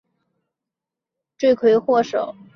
可以说是导致战神岛下沉和矛盾发生的罪魁祸首。